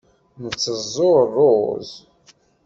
Nteẓẓu rruẓ.